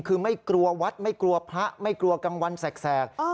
คือไม่กลัววัดไม่กลัวพระไม่กลัวกลางวันแสก